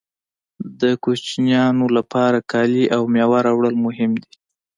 د کوچنیانو لپاره کالي او مېوه راوړل مهم دي